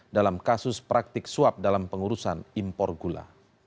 dalam kasus praktik suap dalam pengurusan impor gula